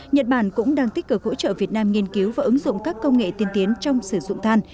nhật bản cũng đang tích cực hỗ trợ việt nam nghiên cứu và ứng dụng các công nghệ tiên tiến trong sử dụng than